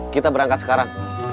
kita berangkat sekarang